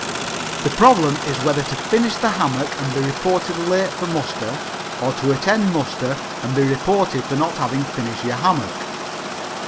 The problem is whether to finish the hammock and be reported late for muster or to attend muster and be reported for not having finished your hammock.